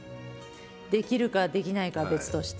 できるかできないかは別として。